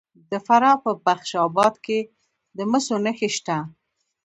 د فراه په بخش اباد کې د مسو نښې شته.